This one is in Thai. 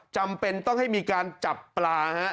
จำเป็นต้องให้มีการจับปลาฮะ